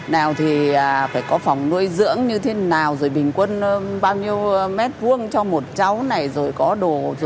nào thì phải có phòng nuôi dưỡng như thế nào rồi bình quân bao nhiêu mét vuông cho một cháu này rồi có đồ